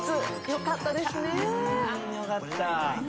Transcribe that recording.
よかった。